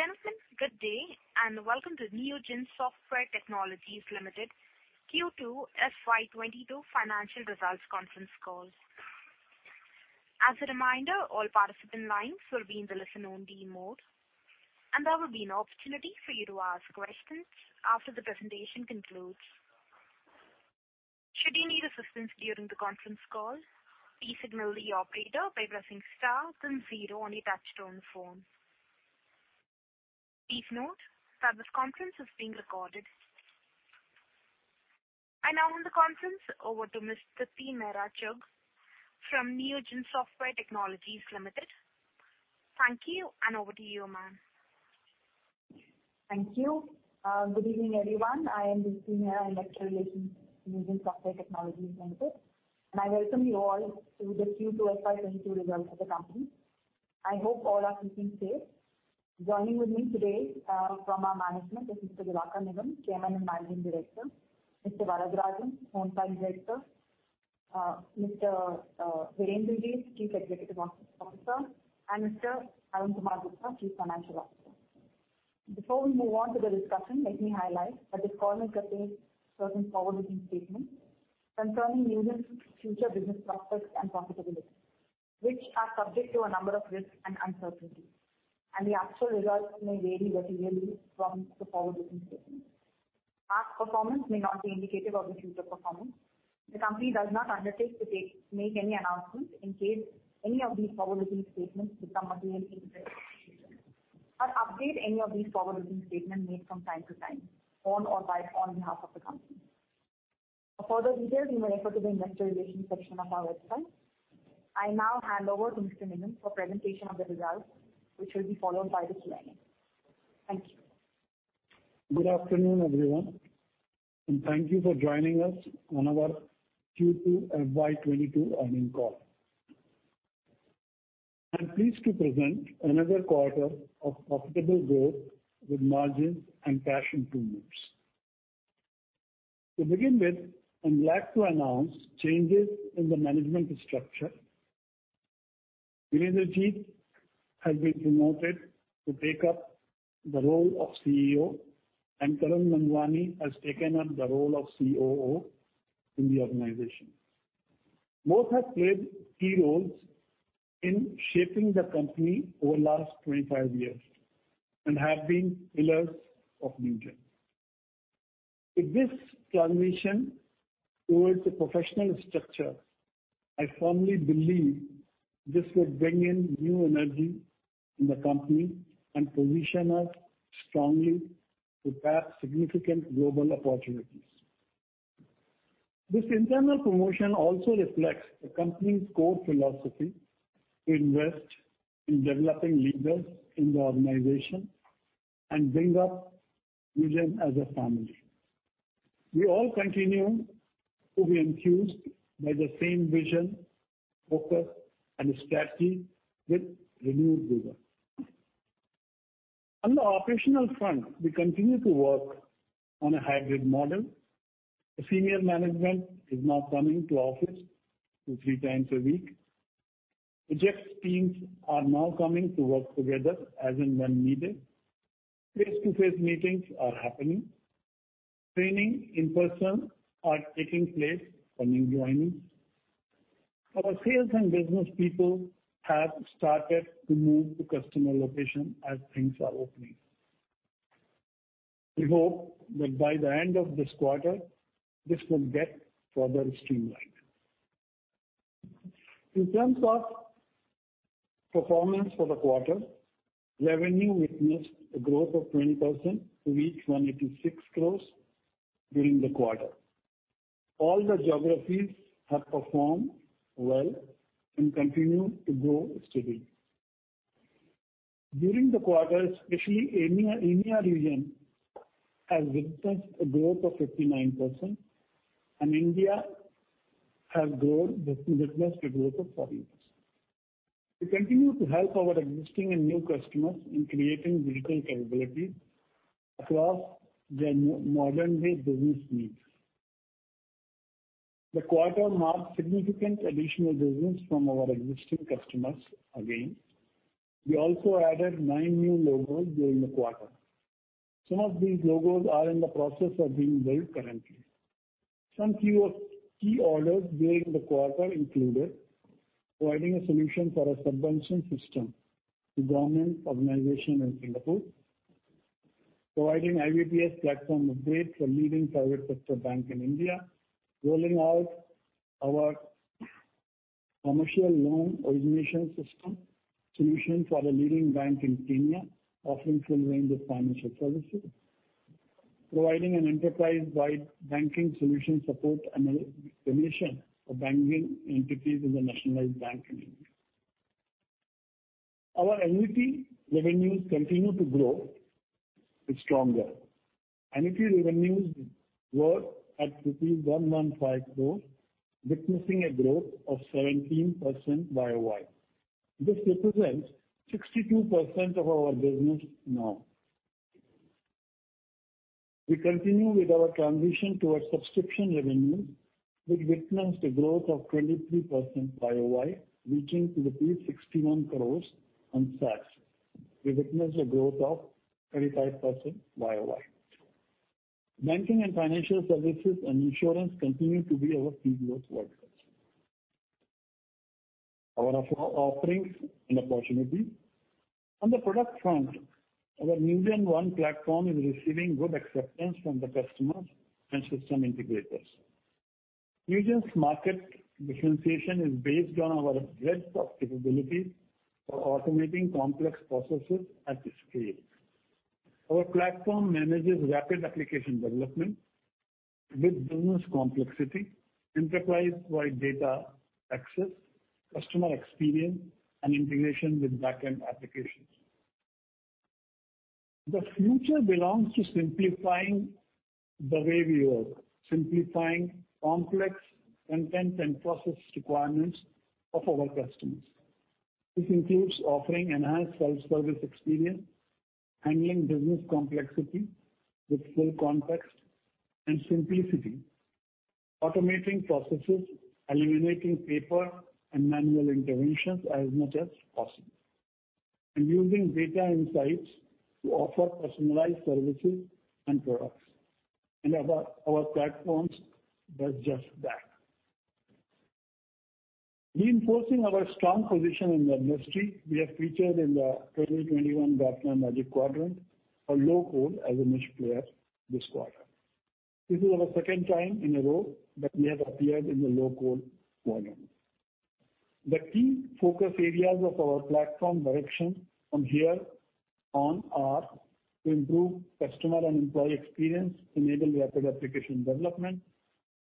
Ladies and gentlemen, good day and Welcome to Newgen Software Technologies Limited Q2 FY 2022 Financial Results Conference Call. As a reminder, all participant lines will be in the listen-only mode and there will be an opportunity for you to ask questions after the presentation concludes. Should you need assistance during the conference call, please signal the operator by pressing star then zero on your touch-tone phone. Please note that this conference is being recorded. I now hand the conference over to Ms. Deepti Mehra Chugh from Newgen Software Technologies Limited. Thank you and over to you, ma'am. Thank you. Good evening, everyone. I am Deepti Mehra, investor relations, Newgen Software Technologies Limited, and I welcome you all to the Q2 FY 2022 results of the company. I hope all are keeping safe. Joining with me today from our management is Mr. Diwakar Nigam, Chairman and Managing Director; Mr. T. S. Varadarajan, non-executive director; Mr. Virender Jeet, Chief Executive Officer; and Mr. Arun Kumar Gupta, Chief Financial Officer. Before we move on to the discussion, let me highlight that this call may contain certain forward-looking statements concerning Newgen's future business prospects and profitability, which are subject to a number of risks and uncertainties, and the actual results may vary materially from the forward-looking statements. Past performance may not be indicative of the future performance. The company does not undertake to make any announcements in case any of these forward-looking statements become materially incorrect in the future or update any of these forward-looking statements made from time to time on or by, on behalf of the company. For further details, you may refer to the Investor Relations section of our website. I now hand over to Mr. Nigam for presentation of the results, which will be followed by the Q&A. Thank you. Good afternoon, everyone, and thank you for joining us on our Q2 FY2022 earnings call. I'm pleased to present another quarter of profitable growth with margins and cash improvements. To begin with, I'm glad to announce changes in the management structure. Virender Jeet has been promoted to take up the role of CEO and Tarun Nandwani has taken up the role of COO in the organization. Both have played key roles in shaping the company over the last 25 years and have been pillars of Newgen. With this transformation towards a professional structure, I firmly believe this will bring in new energy in the company and position us strongly to tap significant global opportunities. This internal promotion also reflects the company's core philosophy to invest in developing leaders in the organization and bring up Newgen as a family. We all continue to be enthused by the same vision, focus and strategy with renewed vigor. On the operational front, we continue to work on a hybrid model. The senior management is now coming to office 2, 3 times a week. Project teams are now coming to work together as and when needed. Face-to-face meetings are happening. Training in person are taking place for new joinees. Our sales and business people have started to move to customer location as things are opening. We hope that by the end of this quarter, this will get further streamlined. In terms of performance for the quarter, revenue witnessed a growth of 20% to reach 186 crore during the quarter. All the geographies have performed well and continue to grow steadily. During the quarter, especially EMEA region has witnessed a growth of 59% and India has witnessed a growth of 40%. We continue to help our existing and new customers in creating digital capabilities across their modern-day business needs. The quarter marked significant additional business from our existing customers again. We also added nine new logos during the quarter. Some of these logos are in the process of being built currently. Some key orders during the quarter included providing a solution for a subvention system to government organization in Singapore. Providing iBPS platform upgrades for leading private sector bank in India. Rolling out our commercial loan origination system solution for a leading bank in Kenya, offering full range of financial services. Providing an enterprise-wide banking solution support and a solution for banking entities in the nationalized bank in India. Our annuity revenues continue to grow stronger. Annuity revenues were at rupees 115 crores, witnessing a growth of 17% YOY. This represents 62% of our business now. We continue with our transition towards subscription revenue, which witnessed a growth of 23% YOY, reaching to the 61 crores on SaaS. We witnessed a growth of 35% YOY. Banking and financial services and insurance continue to be our key growth drivers. Our offerings and opportunities. On the product front, our NewgenONE Platform is receiving good acceptance from the customers and system integrators. Newgen's market differentiation is based on our breadth of capabilities for automating complex processes at scale. Our platform manages rapid application development with business complexity, enterprise-wide data access, customer experience, and integration with backend applications. The future belongs to simplifying the way we work. Simplifying complex content and process requirements of our customers. This includes offering enhanced self-service experience, handling business complexity with full context and simplicity, automating processes, eliminating paper and manual interventions as much as possible, and using data insights to offer personalized services and products. Our platforms does just that. Reinforcing our strong position in the industry, we are featured in the 2021 Gartner Magic Quadrant for Low-Code as a niche player this quarter. This is our second time in a row that we have appeared in the Low-Code quadrant. The key focus areas of our platform direction from here on are to improve customer and employee experience, enable rapid application development,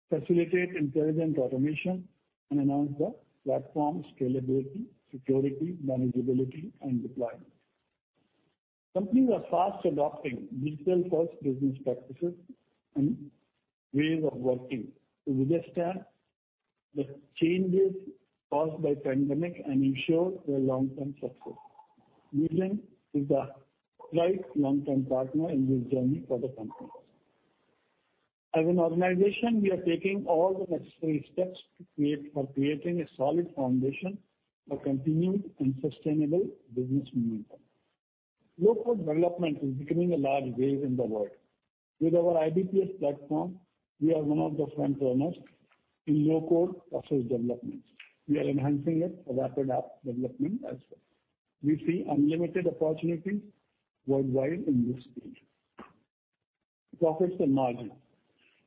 facilitate intelligent automation, and enhance the platform scalability, security, manageability, and deployment. Companies are fast adopting digital-first business practices and ways of working to withstand the changes caused by pandemic and ensure their long-term success. Newgen is the right long-term partner in this journey for the companies. As an organization, we are taking all the necessary steps for creating a solid foundation for continued and sustainable business momentum. Low-Code development is becoming a large wave in the world. With our iBPS platform, we are one of the frontrunners in Low-Code process developments. We are enhancing it for rapid app development as well. We see unlimited opportunities worldwide in this space. Profits and margins.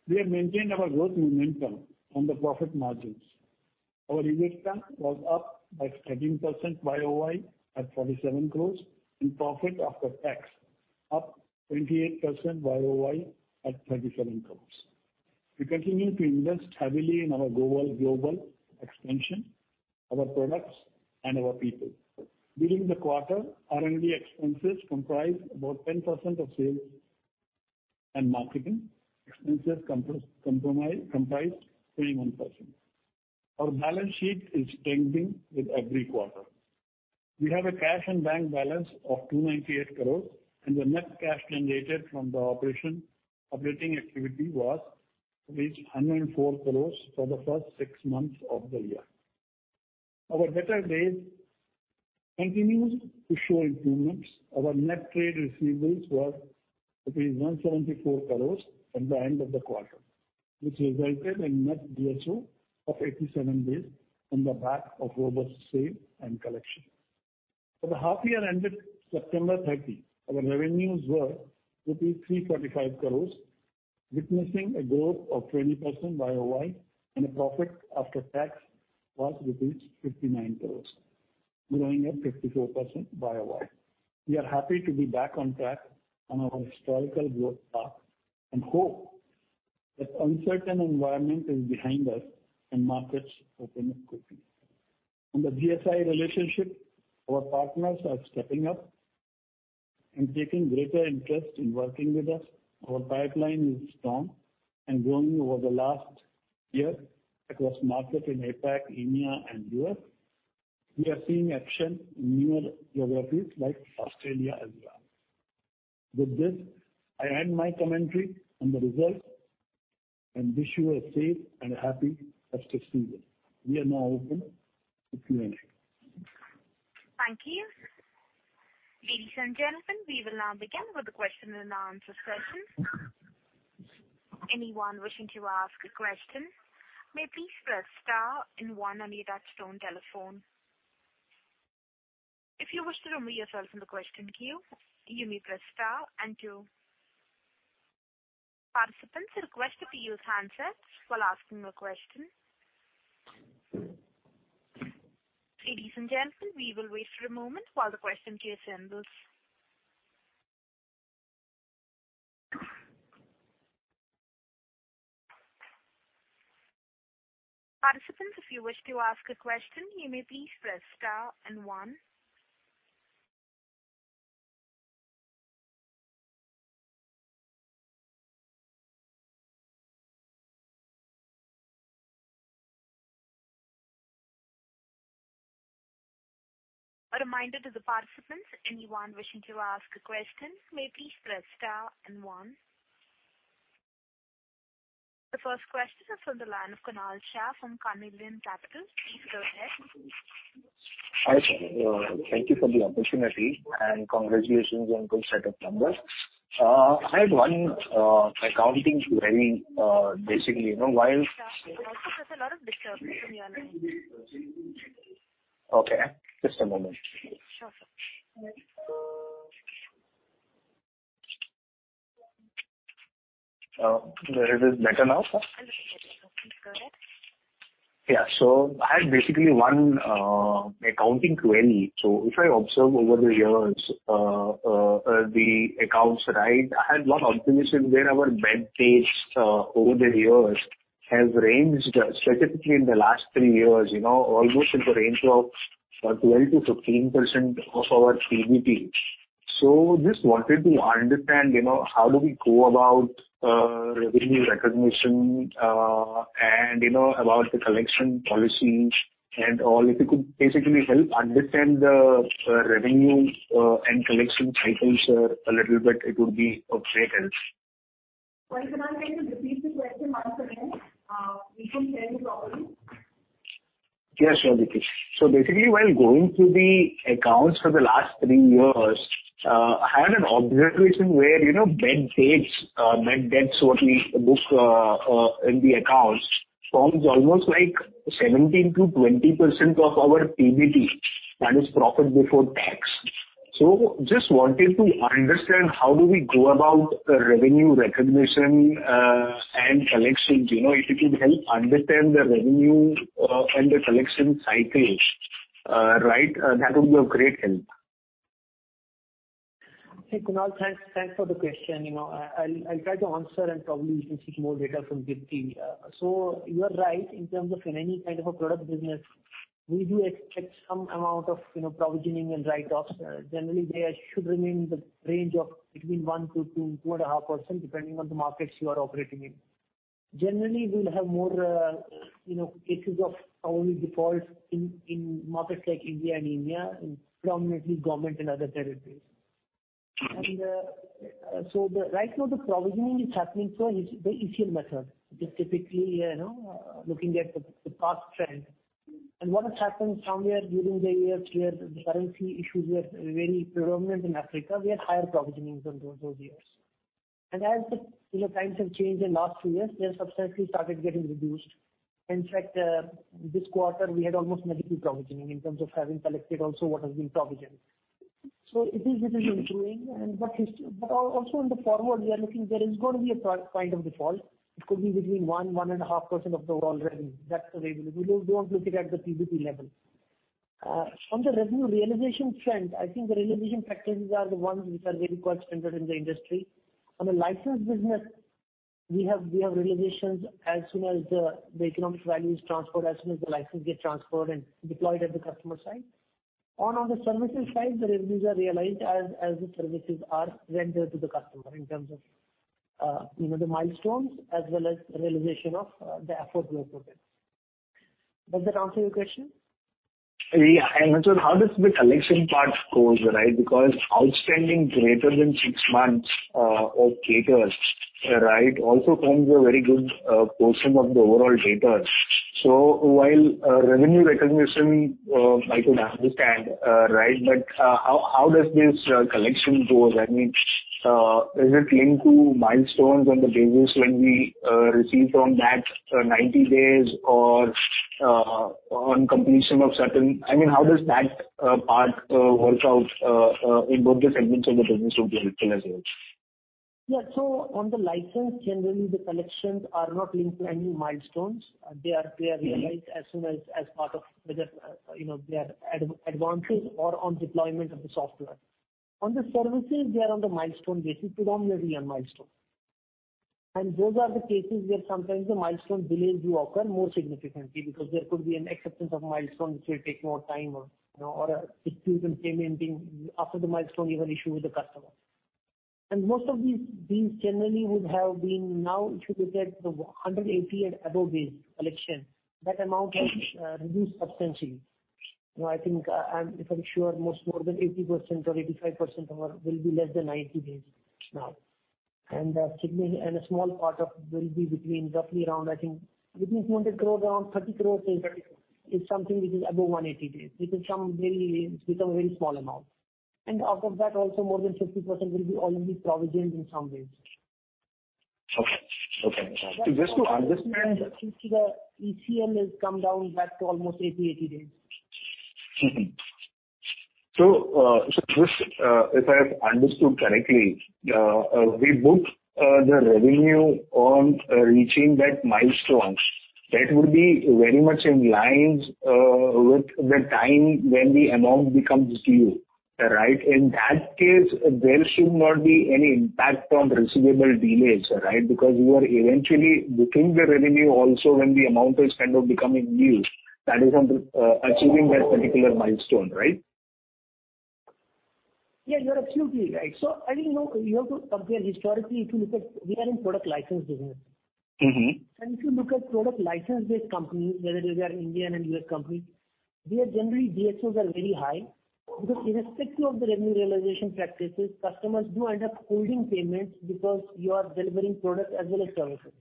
We have maintained our growth momentum on the profit margins. Our revenue stand was up by 13% YOY at 47 crores and profit after tax up 28% YOY at 37 crores. We continue to invest heavily in our global expansion, our products, and our people. During the quarter, R&D expenses comprised about 10% of sales, and marketing expenses comprised 21%. Our balance sheet is strengthening with every quarter. We have a cash and bank balance of 298 crores, the net cash generated from the operating activity reached 104 crores for the first six months of the year. Our debtor days continues to show improvements. Our net trade receivables was rupees 174 crores at the end of the quarter. Which resulted in net DSO of 87 days on the back of robust sale and collection. For the half year ended September 30, our revenues were INR 345 crores, witnessing a growth of 20% YOY, and a profit after tax was 59 crores, growing at 54% YOY. We are happy to be back on track on our historical growth path and hope that uncertain environment is behind us and markets open up quickly. On the GSI relationship, our partners are stepping up and taking greater interest in working with us. Our pipeline is strong and growing over the last year across markets in APAC, EMEA, and U.S. We are seeing action in newer geographies like Australia as well. With this, I end my commentary on the results and wish you a safe and happy festive season. We are now open to Q&A. [Thank you. Ladies and gentlemen, we will now begin with the question-and-answer session. Anyone wishing to ask a question, may please press star and one on your telephone. If you wish to withdraw yourself from your question queue, you may press star and two. Participants who have pressed star and one, you may ask for your questions. Ladies and gentlemen we will wait for a moment for the question to resemble. Participant who wish to ask a question, you may please press star and one. For the reminder, you may please press star and one.] The first question is from the line of Kunal Shah from Carnelian Capital. Please go ahead. Hi. Thank you for the opportunity, and congratulations on good set of numbers. I had one accounting query. Sir, Kunal sir, there's a lot of disturbance in your line. Okay. Just a moment. Sure, sir. Is it better now, sir? Absolutely. Please go ahead. Yeah. I had basically 1 accounting query. If I observe over the years, the accounts, I had 1 observation where our bad debts over the years have ranged, specifically in the last 3 years, almost in the range of 12%-15% of our PBT. Just wanted to understand how do we go about revenue recognition and about the collection policies and all. If you could basically help understand the revenue and collection cycles a little bit, it would be of great help. Sorry, Kunal, can you repeat the question once again? We couldn't hear you properly. Yeah, sure, Deepti. Basically, while going through the accounts for the last three years, I had an observation where bad debts, what we book in the accounts, forms almost 17%-20% of our PBT. That is profit before tax. Just wanted to understand how do we go about the revenue recognition and collections. If you could help understand the revenue and the collection cycles, that would be of great help. Hey, Kunal, thanks for the question. I will try to answer and probably we can seek more data from Deepti. You are right in terms of in any kind of a product business, we do expect some amount of provisioning and write-offs. Generally, they should remain in the range of between 1%-2.5%, depending on the markets you are operating in. Generally, we will have more cases of early default in markets like India and EMEA, and predominantly government and other territories. Okay. Right now the provisioning is happening through the ECL method, which is typically looking at the past trend. What has happened somewhere during the years where the currency issues were very predominant in Africa, we had higher provisioning on those years. As the times have changed in last few years, they have substantially started getting reduced. In fact, this quarter, we had almost negative provisioning in terms of having collected also what has been provisioned. It is improving. Also in the forward, we are looking there is going to be a point of default. It could be between 1.5% of the whole revenue. That's the way we look. We don't look it at the PBT level. From the revenue realization front, I think the realization practices are the ones which are very quite standard in the industry. On the license business, we have realizations as soon as the economic value is transferred, as soon as the license gets transferred and deployed at the customer site. On the services side, the revenues are realized as the services are rendered to the customer in terms of the milestones as well as realization of the effort we have put in. Does that answer your question? Yeah. I mentioned how does the collection part goes. Outstanding greater than 6 months or greater also forms a very good portion of the overall data. While revenue recognition I could understand, how does this collection go? I mean, is it linked to milestones on the basis when we receive from that 90 days or on completion of certain I mean, how does that part work out in both the segments of the business would be helpful as well. Yeah. On the license, generally, the collections are not linked to any milestones. They are realized as part of whether they are advances or on deployment of the software. On the services, they are on the milestone basis, predominantly on milestones. Those are the cases where sometimes the milestone delays do occur more significantly because there could be an acceptance of milestone which may take more time or a dispute on payment being after the milestone, you have an issue with the customer. Most of these generally would have been now, if you look at the 180 and above days collection, that amount has reduced substantially. I think, if I'm sure most more than 80% or 85% will be less than 90 days now. A small part of will be between roughly around, I think between 100 crores, around 30 crores is something which is above 180 days, which is a very small amount. Out of that, also more than 50% will be already provisioned in some ways. Okay. Just to understand- ECL has come down to almost 80 days. If I have understood correctly, we book the revenue on reaching that milestone, that would be very much in line with the time when the amount becomes due. In that case, there should not be any impact on receivable delays. You are eventually booking the revenue also when the amount is kind of becoming due, that is on achieving that particular milestone, right? Yeah, you're absolutely right. You have to compare historically, if you look at, we are in product license business. If you look at product license-based companies, whether they are Indian and U.S. companies, their generally DSOs are very high. Irrespective of the revenue realization practices, customers do end up holding payments because you are delivering products as well as services.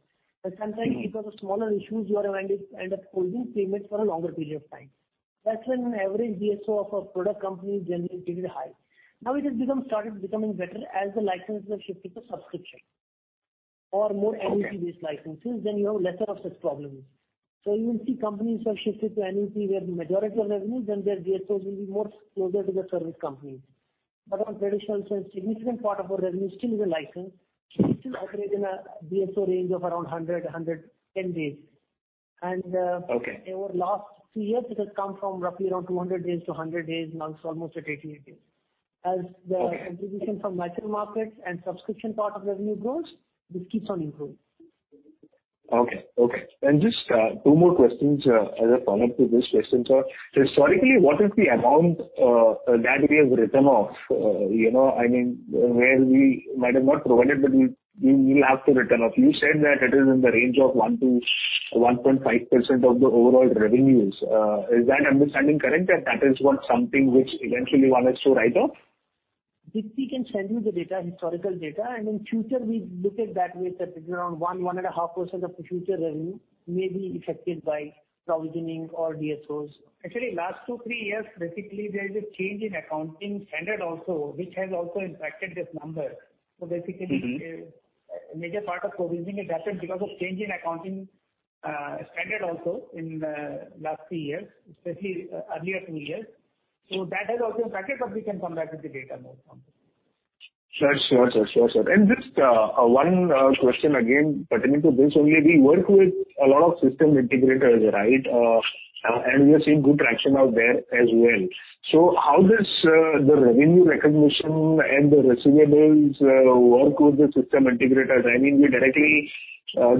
Sometimes because of smaller issues, you end up holding payments for a longer period of time. That's when average DSO of a product company is generally very high. Now, it has started becoming better as the licenses have shifted to subscription. Okay. NOC-based licenses, then you have lesser of such problems. You will see companies who have shifted to NOC where majority of revenue, then their DSOs will be more closer to the service companies. On traditional sense, significant part of our revenue still is a license. We still operate in a DSO range of around 100, 110 days. Okay. Over last 3 years, it has come from roughly around 200 days to 100 days. Now, it's almost at 88 days. Okay. Contribution from mature markets and subscription part of revenue grows, this keeps on improving. Okay. Just two more questions as a follow-up to this question, sir. Historically, what is the amount that we have written off? Where we might have not provided, but we will have to write off. You said that it is in the range of 1%-1.5% of the overall revenues. Is that understanding correct, that is what something which eventually one has to write off? We can send you the data, historical data. In future, we look at that with around 1.5% of future revenue may be affected by provisioning or DSOs. Actually, last 2, 3 years, basically, there is a change in accounting standard also, which has also impacted this number. A major part of provisioning has happened because of change in accounting standard also in last 3 years, especially earlier 2 years. That has also impacted, but we can come back with the data more on this. Sure. Just one question again pertaining to this only. We work with a lot of system integrators, right? We are seeing good traction out there as well. How does the revenue recognition and the receivables work with the system integrators? I mean, we directly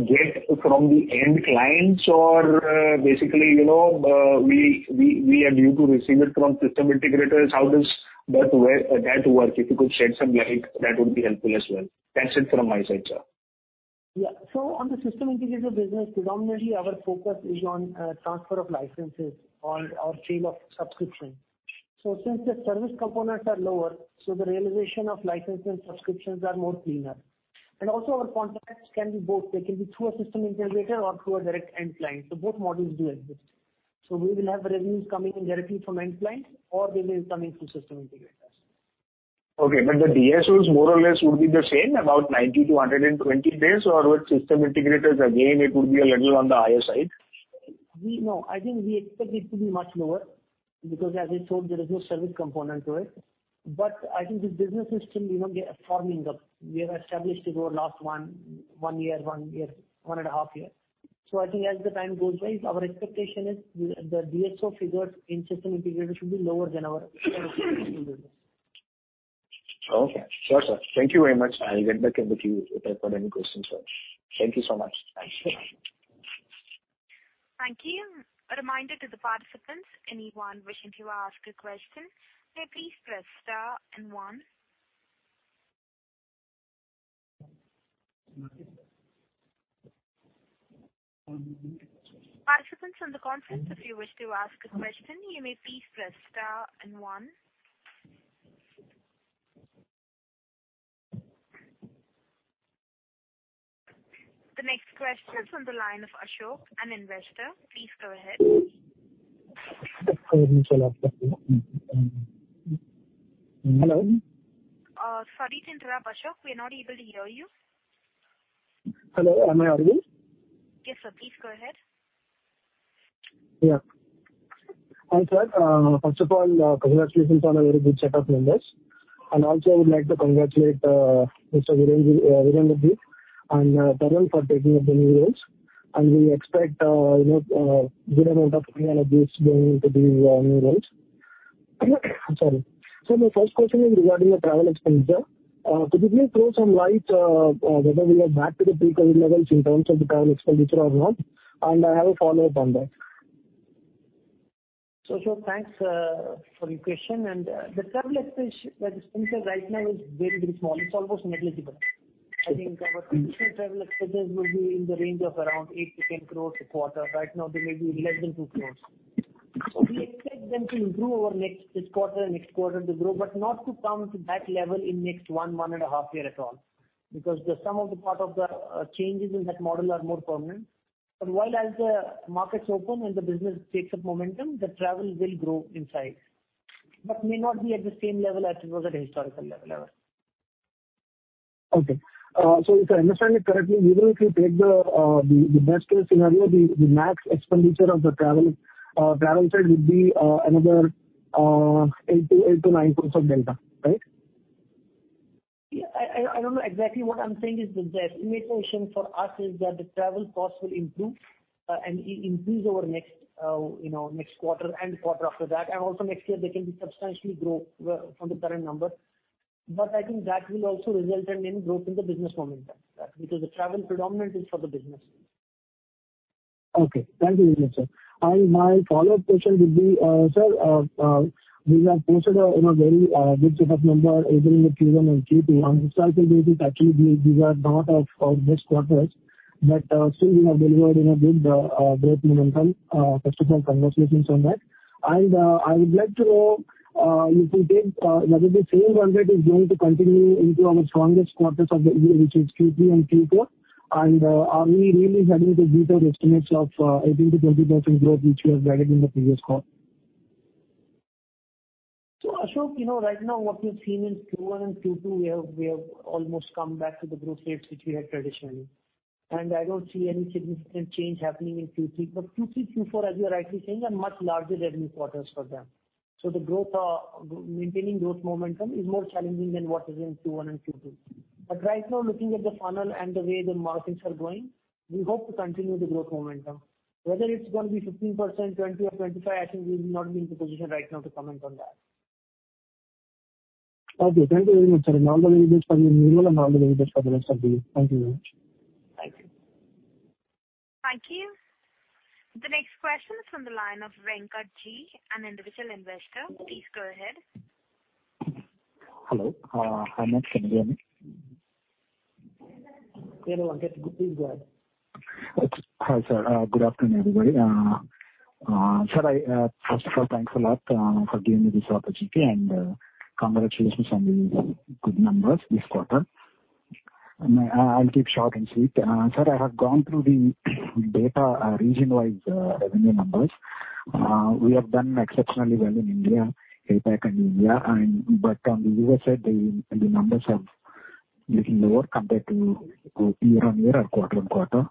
get from the end clients or basically, we are due to receive it from system integrators. How does that work? If you could shed some light, that would be helpful as well. That's it from my side, sir. On the system integrator business, predominantly our focus is on transfer of licenses or sale of subscription. Since the service components are lower, so the realization of license and subscriptions are more cleaner. Also our contracts can be both. They can be through a system integrator or through a direct end client. Both models do exist. We will have revenues coming in directly from end clients or revenues coming through system integrators. Okay. The DSOs more or less would be the same, about 90-120 days, or with system integrators, again, it would be a little on the higher side? No. I think we expect it to be much lower because as I told, there is no service component to it. I think this business is still forming up. We have established it over last one year, one and a half year. I think as the time goes by, our expectation is the DSO figures in system integrators should be lower than our business. Okay. Sure, sir. Thank you very much. I'll get back in with you if I've got any questions. Thank you so much. Thanks. Thank you. A reminder to the participants, anyone wishing to ask a question, may please press star and one. Participants on the conference, if you wish to ask a question, you may please press star and one. The next question is on the line of Ashok, an investor. Please go ahead. Hello. Sorry to interrupt, Ashok. We're not able to hear you. Hello, am I audible? Yes, sir. Please go ahead. Yeah. Hi, sir. First of all, congratulations on a very good set of numbers. Also, I would like to congratulate Mr. Virender and Tarun for taking up the new roles. We expect good amount of synergies going into the new roles. Sorry. My first question is regarding the travel expenditure. Could you please throw some light whether we are back to the pre-COVID levels in terms of the travel expenditure or not? I have a follow-up on that. Sure. Thanks for your question. The travel expenditure right now is very, very small. It's almost negligible. I think our traditional travel expenditures will be in the range of around 8 crores-10 crores a quarter. Right now, they may be less than 2 crores. We expect them to improve over next this quarter and next quarter to grow, but not to come to that level in next 1.5 years at all. Because some of the part of the changes in that model are more permanent. While as the markets open and the business takes up momentum, the travel will grow in size. May not be at the same level as it was at a historical level ever. Okay. If I understand it correctly, even if you take the best-case scenario, the max expenditure of the travel side would be another 8 crores-9 crores of delta. Right? I don't know exactly. What I am saying is the estimation for us is that the travel costs will improve and increase over next quarter and quarter after that. Also next year they can substantially grow from the current number. I think that will also result in growth in the business momentum because the travel predominant is for the business. Okay. Thank you very much, sir. My follow-up question would be, sir, we have posted a very good set of number, even in the Q1 and Q2. On this quarter basis, actually, these are not our best quarters, but still we have delivered in a great momentum. First of all, congratulations on that. I would like to know if we take whether the same run rate is going to continue into our strongest quarters of the year, which is Q3 and Q4, and are we really heading to better estimates of 18%-20% growth, which you have guided in the previous call? Ashok, right now what we've seen in Q1 and Q2, we have almost come back to the growth rates which we had traditionally. I don't see any significant change happening in Q3. Q3, Q4, as you're rightly saying, are much larger revenue quarters for them. Maintaining growth momentum is more challenging than what is in Q1 and Q2. Right now, looking at the funnel and the way the markets are going, we hope to continue the growth momentum. Whether it's going to be 15%, 20% or 25%, I think we will not be in the position right now to comment on that. Okay. Thank you very much, sir. Normal guidance for the rest of the year. Thank you very much. Thank you. Thank you. The next question is from the line of Venkat G, an individual investor. Please go ahead. Hello. Hi, can you hear me? Yeah, Venkat. Please go ahead. Hi, sir. Good afternoon, everybody. Sir, first of all, thanks a lot for giving me this opportunity and congratulations on the good numbers this quarter. I'll keep short and sweet. Sir, I have gone through the data region-wise revenue numbers. We have done exceptionally well in India, APAC, and India. On the U.S. side, the numbers are little lower compared to year-over-year or quarter-over-quarter.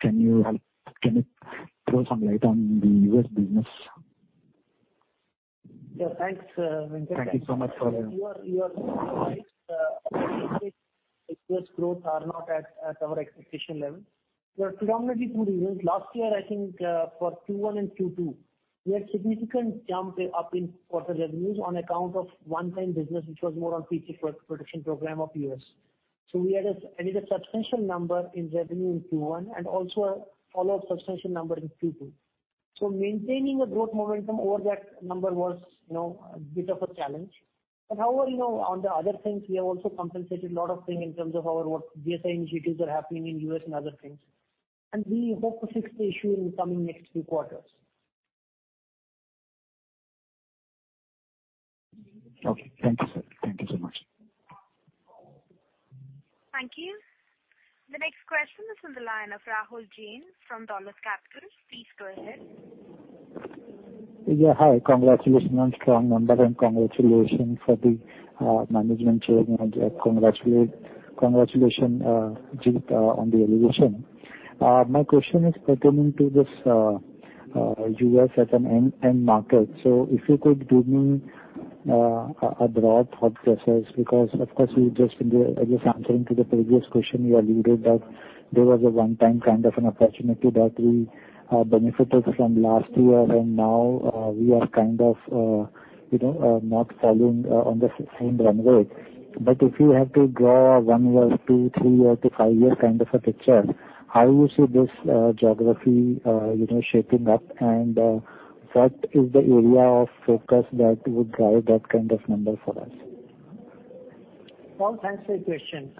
Can you throw some light on the U.S. business? Yeah, thanks, Venkat. Thank you so much for. You are right. The U.S. growth are not at our expectation level. There are predominantly 2 reasons. Last year, I think, for Q1 and Q2, we had significant jump up in quarter revenues on account of one-time business, which was more on Paycheck Protection Program of U.S. We had a substantial number in revenue in Q1 and also a follow-up substantial number in Q2. Maintaining a growth momentum over that number was a bit of a challenge. However, on the other things, we have also compensated a lot of things in terms of our GSI initiatives are happening in U.S. and other things. We hope to fix the issue in the coming next few quarters. Okay. Thank you, sir. Thank you so much. Thank you. The next question is on the line of Rahul Jain from Dolat Capital. Please go ahead. Hi. Congratulations on strong numbers and congratulations for the management change and congratulations, Jeet, on the elevation. My question is pertaining to this U.S. as an end market. If you could give me a broad thought process, because of course, you just been answering to the previous question, you alluded that there was a one-time kind of an opportunity that we benefited from last year, and now we are kind of not following on the same runway. If you have to draw a 1-year to 3-year to 5-year kind of a picture, how you see this geography shaping up and what is the area of focus that would drive that kind of number for us? Rahul Jain, thanks for your question.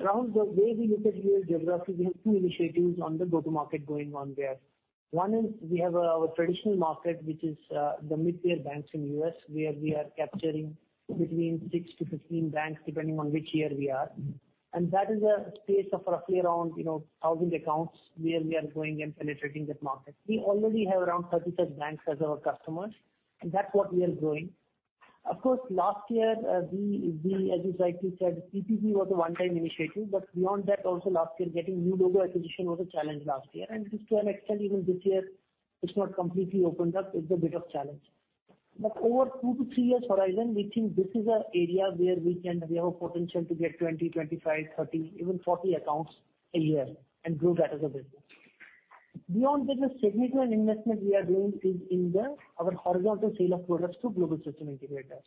Around the way we look at U.S. geography, we have two initiatives on the go-to-market going on there. One is we have our traditional market, which is the mid-tier banks in U.S., where we are capturing between six to 15 banks, depending on which year we are. That is a space of roughly around 1,000 accounts where we are going and penetrating that market. We already have around 35 banks as our customers, and that's what we are growing. Of course, last year, as you rightly said, PPP was a one-time initiative, but beyond that also last year, getting new logo acquisition was a challenge last year. To an extent, even this year it's not completely opened up, it's a bit of challenge. Over 2 to 3 years horizon, we think this is an area where we have a potential to get 20, 25, 30, even 40 accounts a year and grow that as a business. Beyond this, the segment and investment we are doing is in our horizontal sale of products to global system integrators.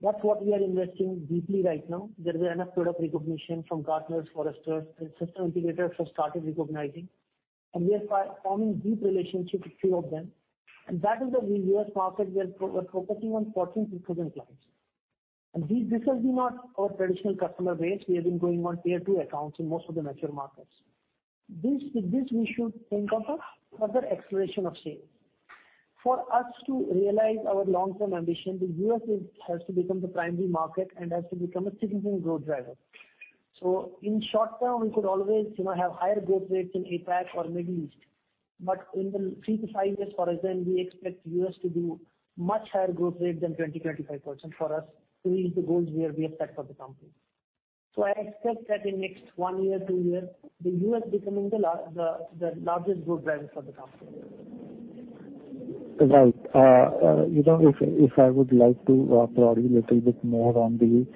That's what we are investing deeply right now. There is enough product recognition from Gartner, Forrester, and system integrators have started recognizing. We are forming deep relationships with few of them. That is the U.S. market we are focusing on 14-15 clients. This will be not our traditional customer base. We have been going on tier 2 accounts in most of the mature markets. With this, we should think of a further acceleration of sales. For us to realize our long-term ambition, the U.S. has to become the primary market and has to become a significant growth driver. In short-term, we could always have higher growth rates in APAC or Middle East. In the 3-5 years, for example, we expect U.S. to do much higher growth rate than 20%, 25% for us to reach the goals we have set for the company. I expect that in next 1 year, 2 year, the U.S. becoming the largest growth driver for the company. Right. If I would like to probably a little bit more on the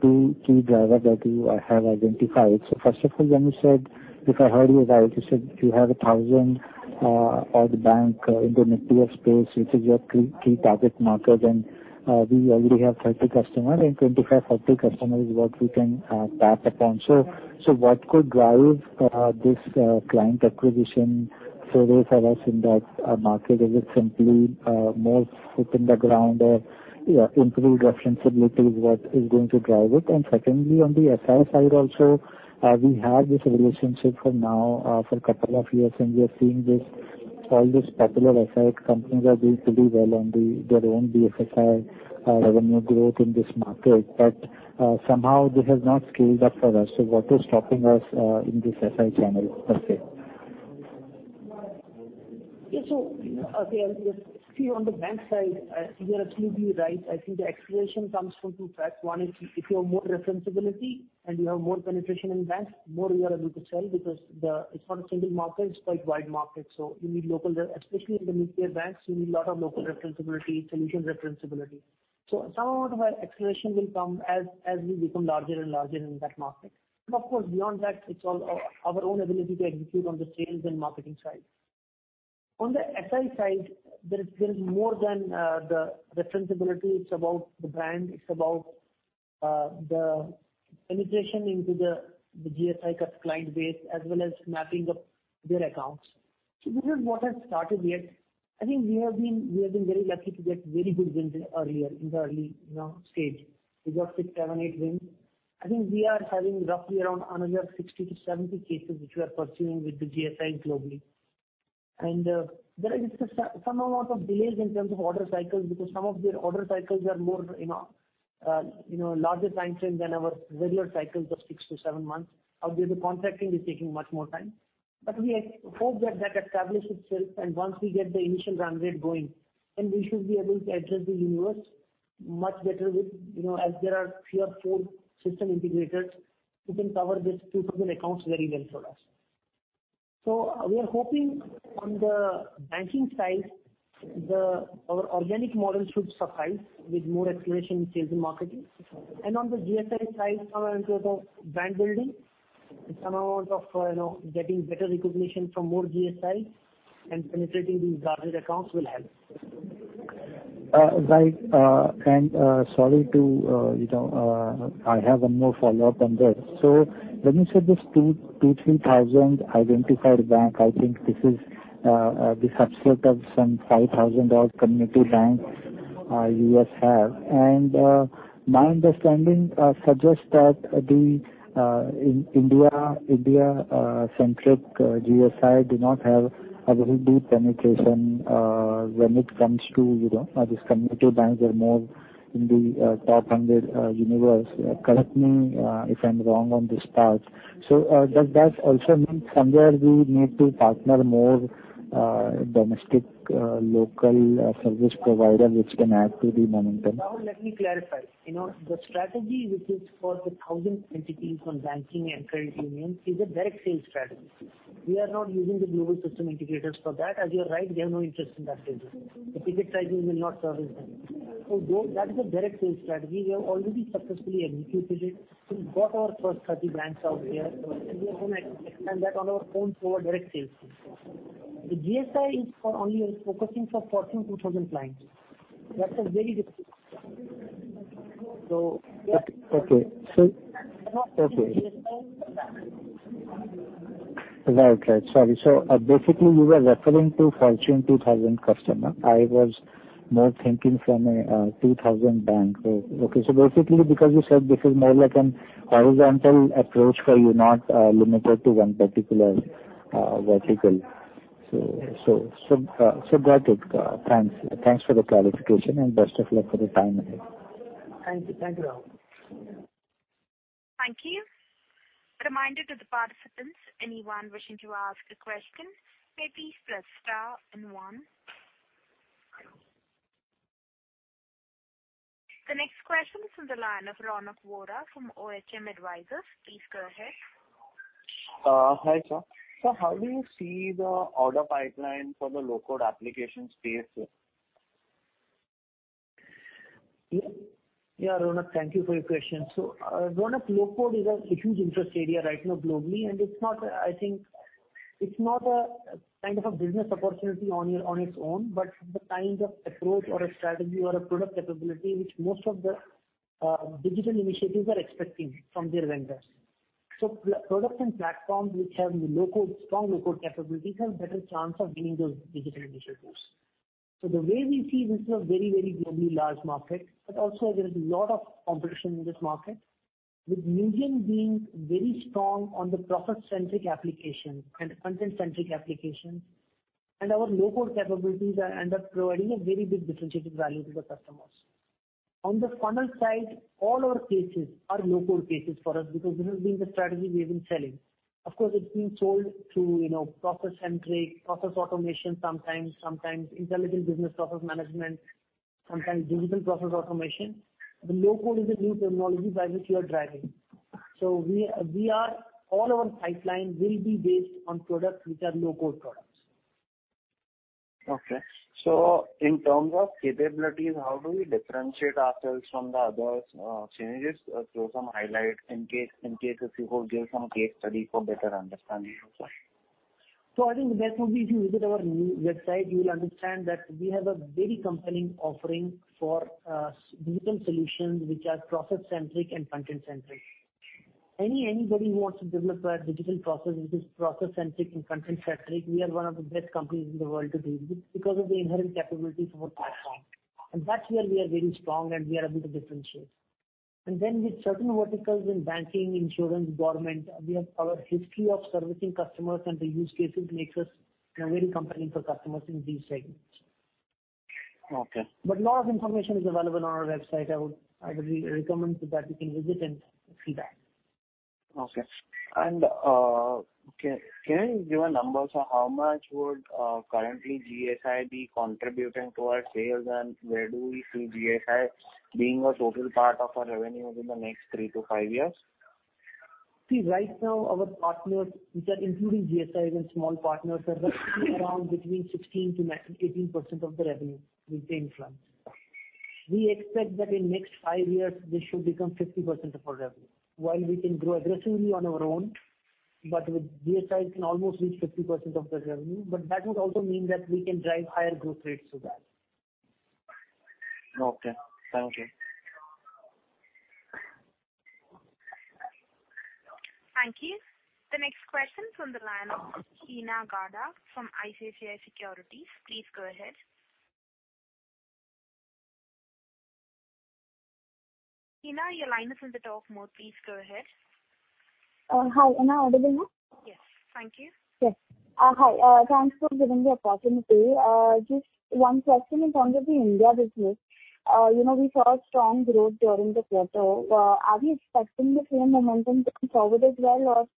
2 key drivers that you have identified. First of all, when you said, if I heard you right, you said you have a 1,000 odd bank in the mid-tier space, which is your key target market, and we already have 30 customers and 2,500 customers what we can tap upon. What could drive this client acquisition further for us in that market? Is it simply more foot in the ground or improved referenceability is what is going to drive it? Secondly, on the SI side also, we have this relationship for now for a couple of years, and we are seeing all these popular SI companies are doing pretty well on their own BFSI revenue growth in this market. Somehow they have not scaled up for us. What is stopping us in this SI channel? Yeah. Okay, I see on the bank side, you are absolutely right. I think the acceleration comes from two facts. One is if you have more referenceability and you have more penetration in banks, more you are able to sell because it's not a single market, it's quite wide market. Especially in the mid-tier banks, you need lot of local referenceability, solution referenceability. Some amount of our acceleration will come as we become larger and larger in that market. Of course, beyond that, it's all our own ability to execute on the sales and marketing side. On the SI side, there is more than the referenceability. It's about the brand, it's about the penetration into the GSI client base as well as mapping of their accounts. This is what has started yet. I think we have been very lucky to get very good wins earlier in the early stage. We got six, seven, eight wins. I think we are having roughly around another 60-70 cases which we are pursuing with the GSIs globally. There is some amount of delays in terms of order cycles because some of their order cycles are larger time frame than our regular cycles of 6-7 months. Out there the contracting is taking much more time. We hope that that establishes itself, and once we get the initial run rate going, then we should be able to address the universe much better with, as there are three or four system integrators who can cover these 2,000 accounts very well for us. We are hoping on the banking side, our organic model should suffice with more acceleration in sales and marketing. On the GSI side, some amount of brand building and some amount of getting better recognition from more GSIs and penetrating these larger accounts will help. Right. I have one more follow-up on this. When you said this 2,000-3,000 identified bank, I think this is the subset of some 5,000 odd community banks U.S. have. My understanding suggests that the India-centric GSI do not have a very deep penetration when it comes to these community banks. Correct me if I'm wrong on this part. Does that also mean somewhere we need to partner more domestic local service provider, which can add to the momentum? Rahul, let me clarify. The strategy which is for the 1,000 entities on banking and credit union is a direct sales strategy. We are not using the global system integrators for that. As you're right, they have no interest in that space. The ticket size will not service them. That is a direct sales strategy. We have already successfully executed it. We got our first 30 banks out there, and we are going to expand that on our own through our direct sales team. The GSI is for only focusing for Fortune 2,000 clients. That's a very different story. Okay. Right. Sorry. Basically you were referring to Fortune 2,000 customer. I was more thinking from a 2,000 bank. Basically because you said this is more like an horizontal approach for you, not limited to one particular vertical. Got it. Thanks for the clarification and best of luck for the time ahead. Thank you, Rahul. Thank you. Reminder to the participants, anyone wishing to ask a question, may please press star and one. The next question is from the line of Ronak Vora from OHM Advisors. Please go ahead. Hi, sir. Sir, how do you see the order pipeline for the Low-Code application space? Yeah. Ronak, thank you for your question. Ronak, Low-Code is a huge interest area right now globally, and I think it's not a kind of a business opportunity on its own, but the kind of approach or a strategy or a product capability which most of the digital initiatives are expecting from their vendors. Products and platforms which have strong Low-Code capabilities have better chance of winning those digital initiatives. The way we see this is a very, very globally large market. Also there is lot of competition in this market, with Newgen being very strong on the process-centric application and content-centric applications. Our Low-Code capabilities end up providing a very big differentiating value to the customers. On the funnel side, all our cases are Low-Code cases for us because this has been the strategy we have been selling. Of course, it's been sold through process-centric, process automation sometimes intelligent Business Process Management, sometimes digital process automation. Low-Code is a new terminology by which we are driving. All our pipeline will be based on products which are Low-Code products. Okay. In terms of capabilities, how do we differentiate ourselves from the other synergies? Throw some highlight in case if you could give some case study for better understanding also. I think the best would be if you visit our website, you will understand that we have a very compelling offering for digital solutions which are process-centric and content-centric. Anybody who wants to develop a digital process which is process-centric and content-centric, we are one of the best companies in the world to deal with because of the inherent capabilities of our platform. That's where we are very strong and we are able to differentiate. Then with certain verticals in banking, insurance, government, our history of servicing customers and the use cases makes us very compelling for customers in these segments. Okay. Lot of information is available on our website. I would recommend that you can visit and see that. Okay. Can you give a number? How much would currently GSI be contributing towards sales? Where do we see GSI being a total part of our revenue within the next three to five years? Right now our partners, which are including GSIs and small partners, are roughly around between 16%-18% of the revenue we take from. We expect that in next five years, this should become 50% of our revenue. We can grow aggressively on our own, but with GSIs can almost reach 50% of the revenue. That would also mean that we can drive higher growth rates to that. Okay. [Thank you]. Thank you. The next question from the line of Heenal Gada from ICICI Securities. Please go ahead. Heenal, your line is on the talk mode. Please go ahead. Hi, [am I] audible now? Yes. Thank you. Yes. Hi. Thanks for giving the opportunity. Just one question in front of the India business. We saw a strong growth during the quarter. Are we expecting the same momentum going forward as well, or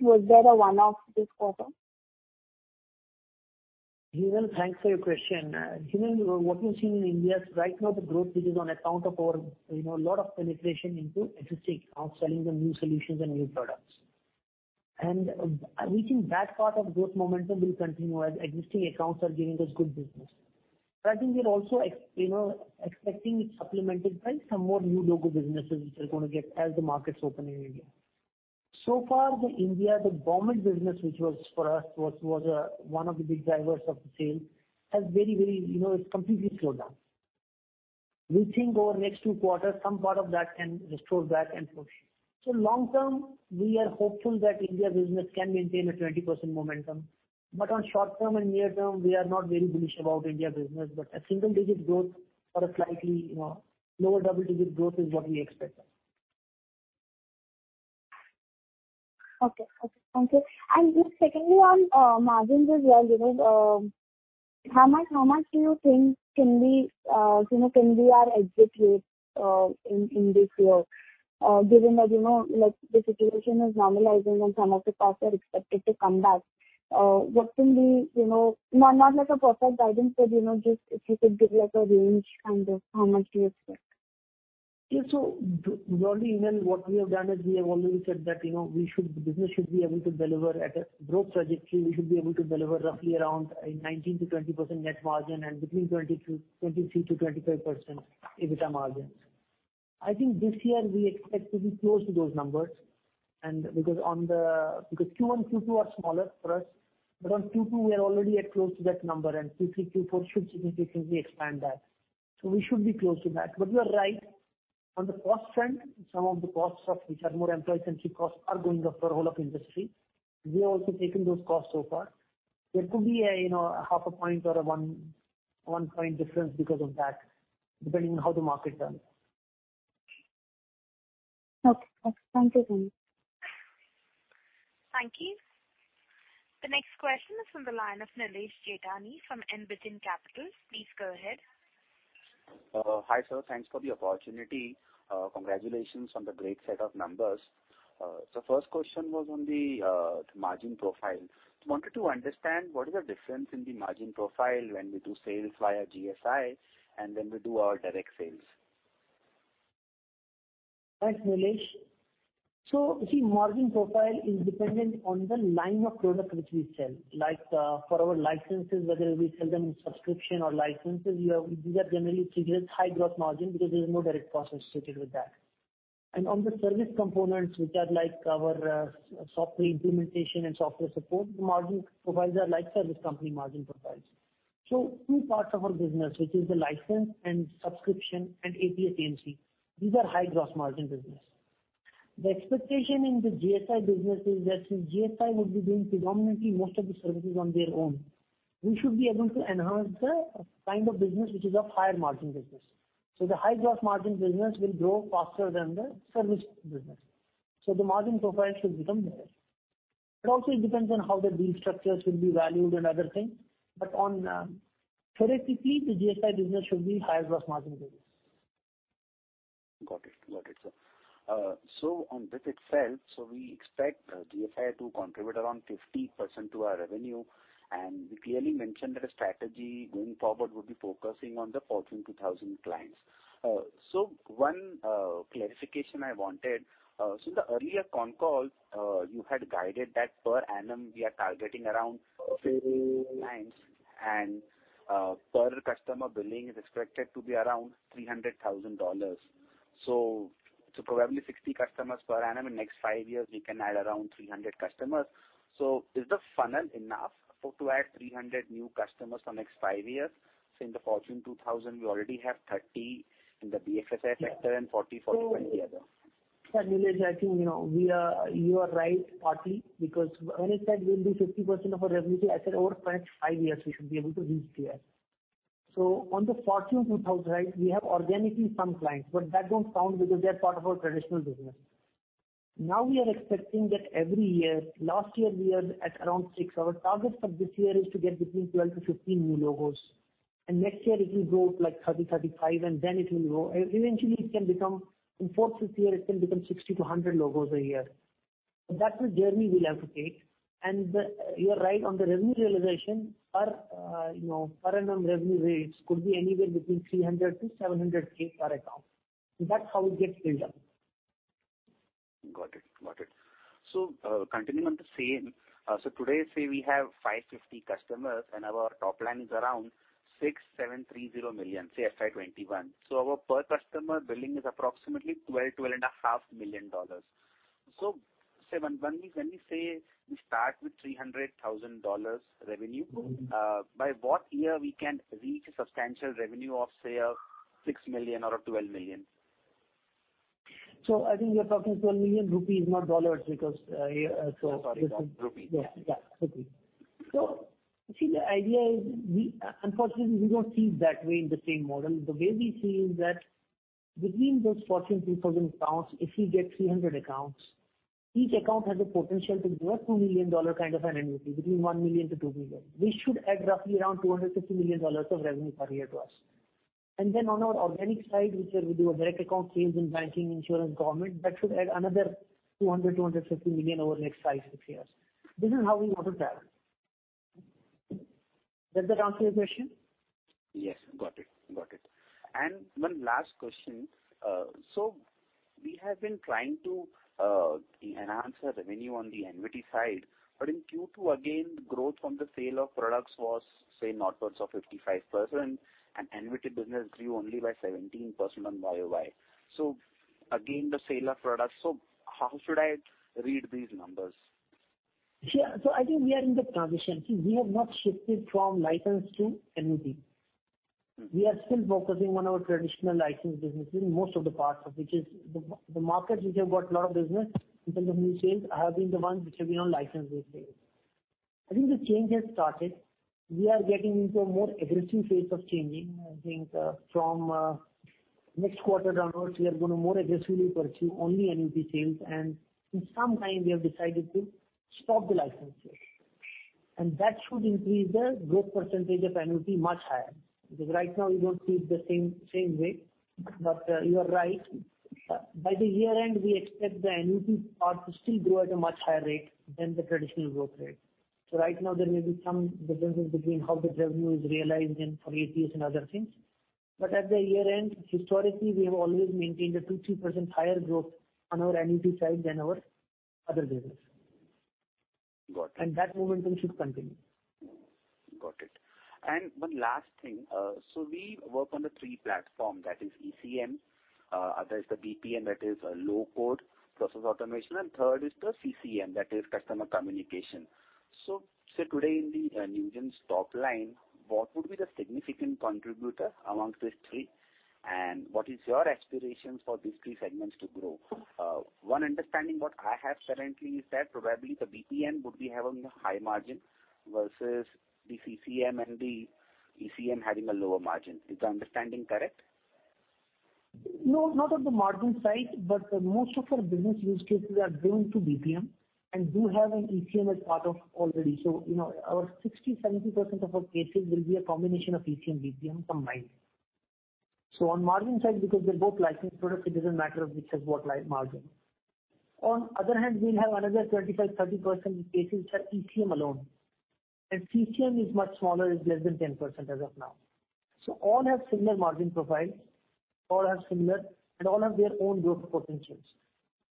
was that a one-off this quarter? Heenal, thanks for your question. Heenal, what you're seeing in India right now, the growth, which is on account of our lot of penetration into existing accounts, selling them new solutions and new products. We think that part of growth momentum will continue as existing accounts are giving us good business. I think we are also expecting it supplemented by some more new logo businesses which are going to get as the markets open in India. So far, the India, the government business, which was for us, was one of the big drivers of the sale. It's completely slowed down. We think over next two quarters, some part of that can restore back and push. Long term, we are hopeful that India business can maintain a 20% momentum. On short term and near term, we are not very bullish about India business. A single-digit growth or a slightly lower double-digit growth is what we expect. Okay. Thank you. Just secondly, on margins as well, how much do you think can we are exit rates in this year? Given that, the situation is normalizing and some of the costs are expected to come back. Not like a perfect guidance, but just if you could give like a range and how much do you expect? Broadly, Heenal, what we have done is we have already said that the business should be able to deliver at a growth trajectory. We should be able to deliver roughly around 19%-20% net margin and between 23%-25% EBITDA margins. I think this year we expect to be close to those numbers. Because Q1, Q2 are smaller for us, on Q2 we are already at close to that number. Q3, Q4 should significantly expand that. We should be close to that. You are right. On the cost front, some of the costs of which are more employee-centric costs are going up for whole of industry. We have also taken those costs so far. There could be a half a point or a one point difference because of that, depending on how the market turns. Okay. Thank you. Thank you. The next question is from the line of Nilesh Jethani from Envision Capital. Please go ahead. Hi, sir. Thanks for the opportunity. Congratulations on the great set of numbers. First question was on the margin profile. Wanted to understand what is the difference in the margin profile when we do sales via GSI and when we do our direct sales. Thanks, Nilesh. See, margin profile is dependent on the line of product which we sell. Like for our licenses, whether we sell them subscription or licenses, these are generally high gross margin because there's no direct cost associated with that. On the service components, which are like our software implementation and software support, the margin profiles are like service company margin profiles. Two parts of our business, which is the license and subscription and APC, AMC, these are high gross margin business. The expectation in the GSI business is that since GSI would be doing predominantly most of the services on their own, we should be able to enhance the kind of business which is of higher margin business. The high gross margin business will grow faster than the service business. The margin profile should become better. It also depends on how the deal structures will be valued and other things. Theoretically, the GSI business should be higher gross margin business. Got it, sir. On this itself, so we expect GSI to contribute around 50% to our revenue, and we clearly mentioned that a strategy going forward would be focusing on the Fortune 2,000 clients. One clarification I wanted. In the earlier con call, you had guided that per annum we are targeting around clients and per customer billing is expected to be around $300,000. Probably 60 customers per annum. In next 5 years, we can add around 300 customers. Is the funnel enough to add 300 new customers for next 5 years? In the Fortune 2000, we already have 30 in the BFSI sector and 40, 45 the other? Nilesh, I think you are right, partly. Because when I said we will do 50% of our revenue, I said over the next 5 years we should be able to reach there. On the Forbes Global 2,000, we have organically some clients, but that don't count because they're part of our traditional business. Now we are expecting that every year. Last year we were at around 6. Our target for this year is to get between 12-15 new logos. Next year it will grow to 30, 35, and then it will grow. Eventually, in 4, 5 years, it can become 60-100 logos a year. That's the journey we'll have to take. You are right on the revenue realization. Per annum revenue rates could be anywhere between $300K-$700K per account. That's how it gets built up. Got it. Continuing on the same. Today, say we have 550 customers and our top line is around 6,730 million, say FY 2021. Our per customer billing is approximately INR12 million-INR12.5 million. When we say we start with INR 300,000 revenue, by what year we can reach a substantial revenue of, say, 6 million or 12 million? I think you're talking 12 million rupees, not dollars. Sorry. Rupees. See, the idea is, unfortunately, we don't see it that way in the same model. The way we see it is that between those Fortune 2000 accounts, if we get 300 accounts, each account has a potential to give us INR2 million kind of an annuity, between 1 million-INR2 million. This should add roughly around INR250 million of revenue per year to us. On our organic side, which are with your direct account sales in banking, insurance, government, that should add another 200 million-INR250 million over the next 5-6 years. This is how we want to travel. Does that answer your question? Yes. Got it. One last question. We have been trying to enhance our revenue on the annuity side, but in Q2, again, growth from the sale of products was, say, northwards of 55%, and annuity business grew only by 17% on YOY. Again, the sale of products. How should I read these numbers? Yeah. I think we are in the transition. We have not shifted from license to annuity. We are still focusing on our traditional license business in most of the parts of which is the markets which have got a lot of business in terms of new sales have been the ones which have been on license-based sales. I think the change has started. We are getting into a more aggressive phase of changing. I think from next quarter downwards, we are going to more aggressively pursue only annuity sales. In some client we have decided to stop the license sale. That should increase the growth percentage of annuity much higher. Right now we don't see it the same way. You are right. By the year-end, we expect the annuity part to still grow at a much higher rate than the traditional growth rate. Right now there may be some differences between how the revenue is realized and for ATS and other things. At the year-end, historically, we have always maintained a 2%-3% higher growth on our annuity side than our other business. Got it. That momentum should continue. Got it. One last thing. We work on the 3 platform. That is ECM. Other is the BPM, that is Low-Code process automation. Third is the CCM, that is customer communication. Say today in the Newgen's top line, what would be the significant contributor amongst these 3, and what is your aspirations for these 3 segments to grow? One understanding what I have currently is that probably the BPM would be having a high margin versus the CCM and the ECM having a lower margin. Is the understanding correct? No, not on the margin side, but most of our business use cases are driven through BPM and do have an ECM as part of already. Our 60%-70% of our cases will be a combination of ECM, BPM combined. On margin side, because they are both licensed products, it does not matter which has what margin. On other hand, we will have another 25%-30% cases which are ECM alone, and CCM is much smaller, is less than 10% as of now. All have similar margin profiles. All are similar and all have their own growth potentials.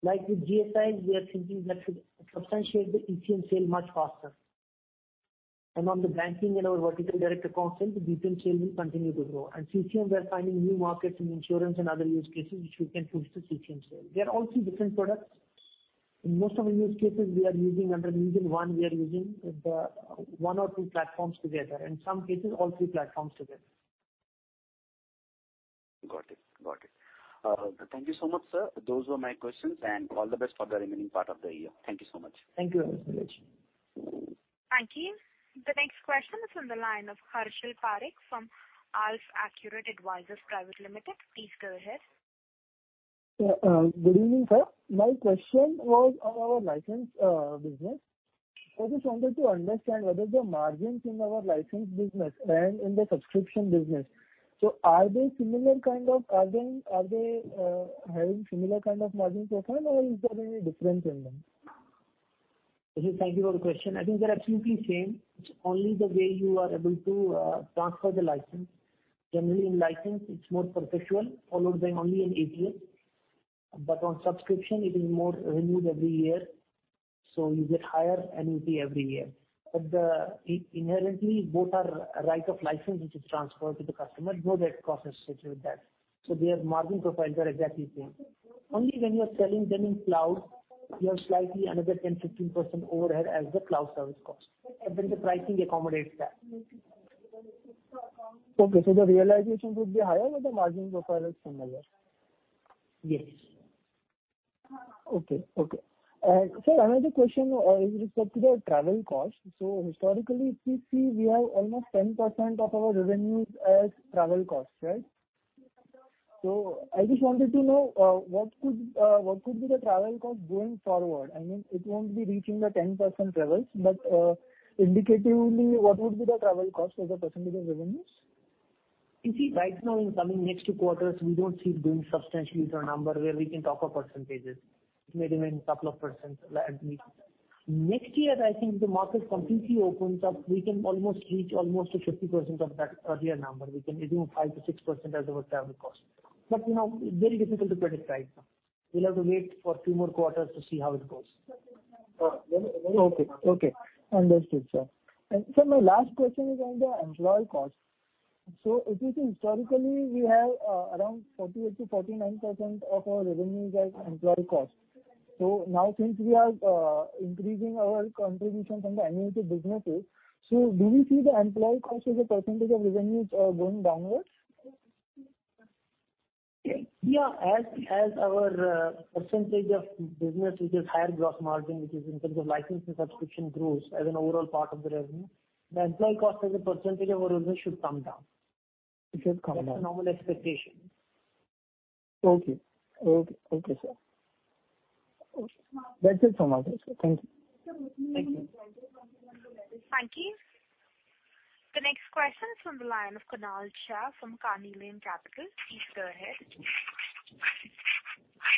Like with GSI, we are thinking let us substantiate the ECM sale much faster. On the banking and our vertical direct account sales, the BPM sale will continue to grow. CCM, we are finding new markets in insurance and other use cases which we can push the CCM sale. They're all three different products. In most of the use cases we are using under NewgenONE, we are using one or two platforms together. In some cases, all three platforms together. Got it. Thank you so much, sir. Those were my questions. All the best for the remaining part of the year. Thank you so much. Thank you, Nilesh. Thank you. The next question is on the line of Harshil Parekh from AlfAccurate Advisors Private Limited. Please go ahead. Good evening, sir. My question was on our license business. I just wanted to understand whether the margins in our license business and in the subscription business are having similar kind of margin profile or is there any difference in them? Thank you for the question. I think they're absolutely same. It's only the way you are able to transfer the license. Generally, in license, it's more perpetual, followed by only in APC. On subscription, it is more renewed every year, so you get higher annuity every year. Inherently, both are right of license, which is transferred to the customer. No direct cost associated with that. Their margin profiles are exactly the same. Only when you're selling them in cloud, you have slightly another 10%, 15% overhead as the cloud service cost, the pricing accommodates that. Okay. The realization would be higher or the margin profile is similar? Yes. Okay. Sir, another question with respect to the travel cost. Historically, we see we have almost 10% of our revenues as travel costs. Right? I just wanted to know what could be the travel cost going forward. It won't be reaching the 10% travels, but indicatively, what would be the travel cost as a percentage of revenues? You see, right now in coming next 2 quarters, we don't see it being substantially to a number where we can talk of percentages. It may remain couple of percent likely. Next year, I think the market completely opens up. We can almost reach almost to 50% of that earlier number. We can assume 5%-6% as our travel cost. It's very difficult to predict right now. We'll have to wait for 2 more quarters to see how it goes. Okay. Understood, sir. Sir, my last question is on the employee cost. If you see historically, we have around 48%-49% of our revenues as employee cost. Now since we are increasing our contribution from the NBT businesses, do we see the employee cost as a percentage of revenues going downwards? Yeah. As our percentage of business, which is higher gross margin, which is in terms of license and subscription grows as an overall part of the revenue, the employee cost as a percentage of our revenue should come down. It should come down. That's a normal expectation. Okay, sir. That's it from my side, sir. Thank you. Thank you. Thank you. The next question is from the line of Kunal Shah from Carnelian Capital. Please go ahead.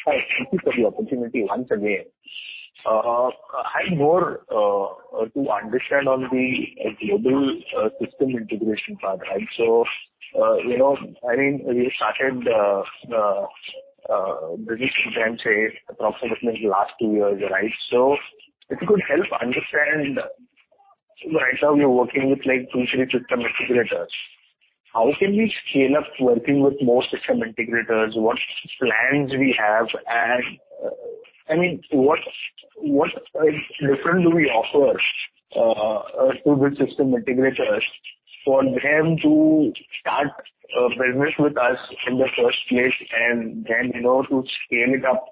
Hi. Thank you for the opportunity once again. I am here more to understand on the global system integration part. We started the business, you can say, approximately the last two years. Right? If you could help understand, right now we are working with 2, 3 system integrators. How can we scale up working with more system integrators? What plans we have? What different do we offer to the system integrators for them to start business with us in the first place and then to scale it up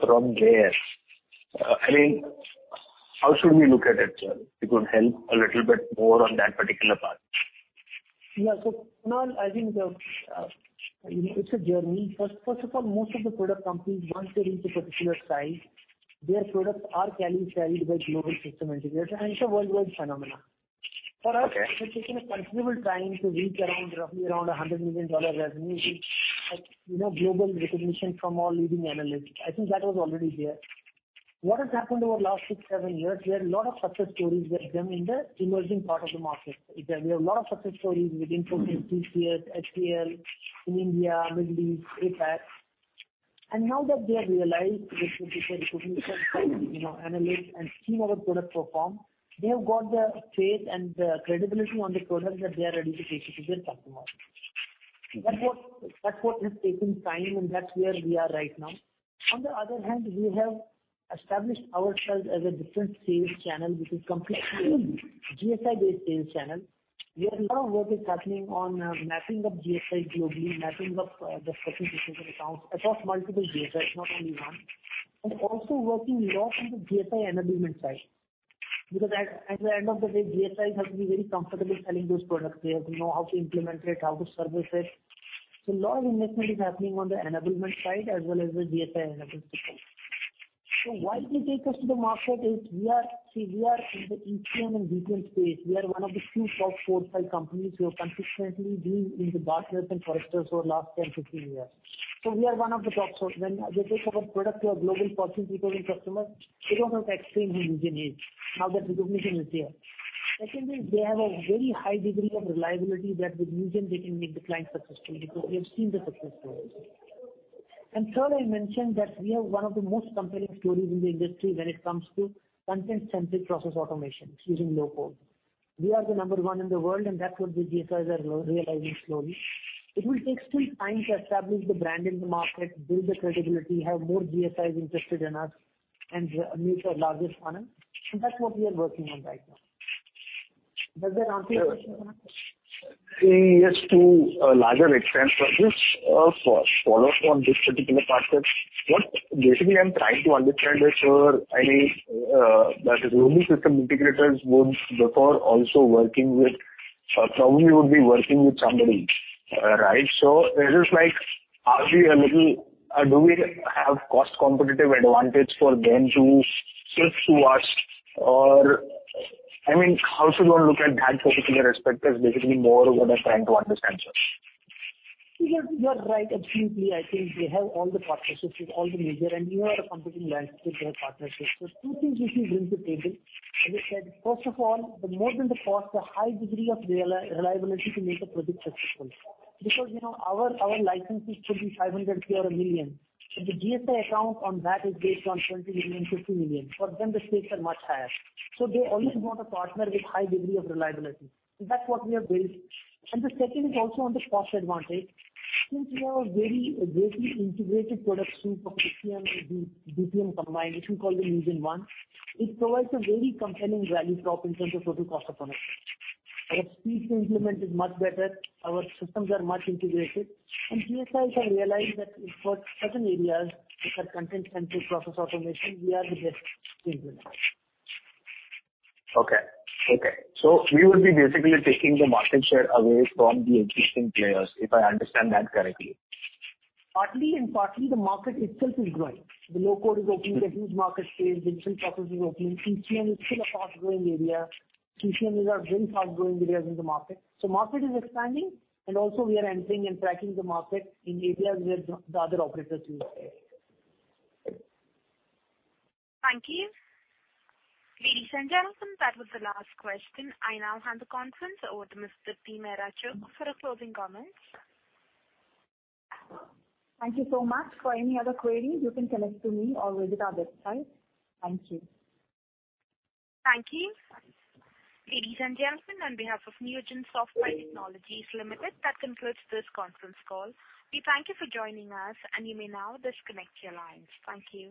from there? How should we look at it, sir? It could help a little bit more on that particular part. Yeah. Kunal, I think it's a journey. First of all, most of the product companies, once they reach a particular size, their products are carried by global system integrators. It's a worldwide phenomena. Okay. For us, it has taken a considerable time to reach around, roughly around INR 100 million revenue. Global recognition from all leading analysts, I think that was already there. What has happened over last 6, 7 years, we had a lot of success stories with them in the emerging part of the market. We have a lot of success stories within TCS, HCL, in India, Middle East, APAC. Now that they have realized with recognition from analysts and seeing our product perform, they have got the faith and the credibility on the product that they are ready to take it to their customers. Okay. That's what has taken time, and that's where we are right now. We have established ourselves as a different sales channel, which is completely GSI-based sales channel, where a lot of work is happening on mapping of GSI globally, mapping of the specific accounts across multiple GSIs, not only one. Also working lot on the GSI enablement side. At the end of the day, GSIs have to be very comfortable selling those products. They have to know how to implement it, how to service it. A lot of investment is happening on the enablement side as well as the GSI enablement side. Why it will take us to the market is, see, we are in the ECM and BPM space. We are one of the few top four, five companies who have consistently been in the Gartner and Forrester for last 10-15 years. We are one of the top. When they think of a product to a global Fortune 500 customer, they don't have to explain who Newgen is. Now that recognition is there. Secondly, they have a very high degree of reliability that with Newgen, they can make the client successful because they have seen the success stories. Third, I mentioned that we have one of the most compelling stories in the industry when it comes to content-centric process automation using Low-Code. We are the number one in the world, and that's what the GSIs are realizing slowly. It will take still time to establish the brand in the market, build the credibility, have more GSIs interested in us and meet our largest funnel. That's what we are working on right now. Does that answer your question? Yes, to a larger extent. For this follow-up on this particular part, what basically I'm trying to understand is, sir, that global system integrators would prefer also working with somebody. Right? It is like, do we have cost competitive advantage for them to switch to us? How should one look at that particular aspect is basically more what I'm trying to understand, sir. You are right, absolutely. I think they have all the partnerships with all the major and we are a competing landscape, they have partnerships. Two things we can bring to the table. As I said, first of all, more than the cost, a high degree of reliability to make the project successful. Because our licenses could be 500,000 or 1 million. The GSI account on that is based on 20 million, 50 million. For them, the stakes are much higher. They always want a partner with high degree of reliability. That's what we have built. The second is also on the cost advantage. Since we have a very integrated product suite of ECM and BPM combined, we call them NewgenONE. It provides a very compelling value prop in terms of total cost of ownership. Our speed to implement is much better, our systems are much integrated. GSIs have realized that for certain areas like for content-centric process automation, we are the best implement. Okay, so, you would be basically taking the market share away from the existing players, if I understand that correctly? Partly, partly the market itself is growing. The Low-Code is opening a huge market space. Digital process is opening. ECM is still a fast-growing area. ECM is a very fast-growing areas in the market. Market is expanding, and also we are entering and tracking the market in areas where the other operators lose space. Thank you. Ladies and gentlemen, that was the last question. I now hand the conference over to Ms. Deepti Mehra Chugh for her closing comments. Thank you so much. For any other queries, you can connect to me or visit our website. Thank you. Thank you. Ladies and gentlemen, on behalf of Newgen Software Technologies Limited, that concludes this conference call. We thank you for joining us, and you may now disconnect your lines. Thank you.